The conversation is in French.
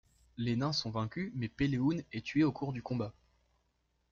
Les nains sont vaincus mais Pellehun est tué au cours du combat.